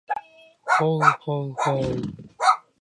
ほうほうほう